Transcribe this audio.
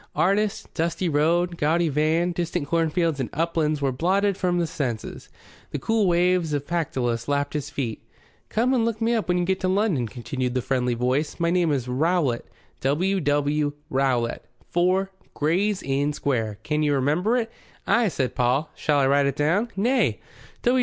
Artist, dusty road, gaudy van, distant cornfields and uplands were blotted from his senses. The cool waves of Pactolus lapped his feet. "Come and look me up when you get to London," continued the friendly voice. "My name is Rowlatt W. W. Rowlatt, 4, Gray's Inn Square. Can you remember it?" "Ay," said Paul. "Shall I write it down?" "Nay.